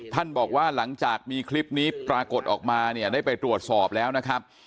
ท่านบอกว่าหลังจากมีคลิปนี้ปรากฏออกมาเนี่ยได้ไปตรวจสอบแล้วนะครับ